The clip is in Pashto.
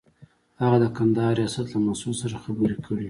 هغه د کندهار ریاست له مسئول سره خبرې کړې.